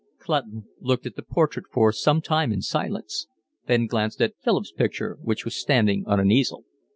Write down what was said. Clutton looked at the portrait for some time in silence, then glanced at Philip's picture, which was standing on an easel.